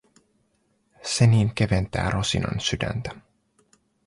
Se niin keventää Rosinan sydäntä.